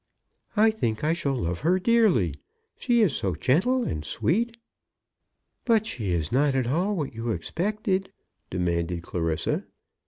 "I think I shall love her dearly. She is so gentle and sweet." "But she is not at all what you expected?" demanded Clarissa.